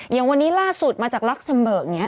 อย่างวันนี้ล่าสุดมาจากลักษัมเบิกอย่างนี้